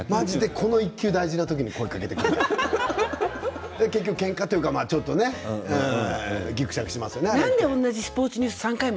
この大事な時に声をかけてくるからけんかというかぎくしゃくしますよね。